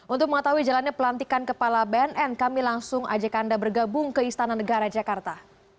untuk mengetahui jalannya pelantikan kepala bnn kami langsung ajak anda bergabung ke istana negara jakarta